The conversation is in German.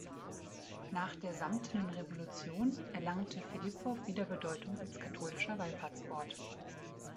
Nach der Samtenen Revolution erlangte Filipov wieder Bedeutung als katholischer Wallfahrtsort.